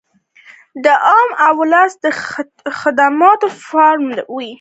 د عام اولس د خدمت فورم وي -